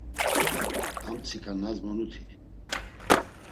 Amtsika nazmonuti.